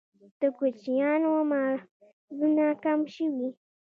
د کوچیانو مالونه کم شوي؟